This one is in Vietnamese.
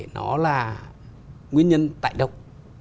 nó là nguyên nhân tại đâu